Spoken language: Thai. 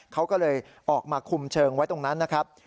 เขาก็เลยออกมาคุมเชิงไว้ตรงนั้นนะครับ